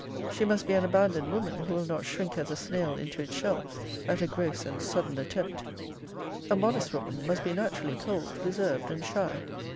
She must be an abandoned woman, who will not shrink as a snail into its shell at a gross and sudden attempt. A modest woman must be naturally cold, reserved, and shy.